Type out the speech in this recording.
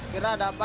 kira ada apaan